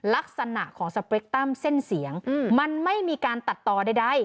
ลักษณะของสเปรคตั้มเส้นเสียงมันไม่มีการตัดต่อใด